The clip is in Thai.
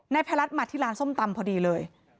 พระรัฐมาที่ร้านส้มตำพอดีเลย